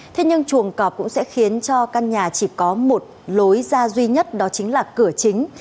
thế nhưng chuồng cọp cũng sẽ khiến cho căn nhà chỉ có một lối ra duy nhất đó chính là cửa chính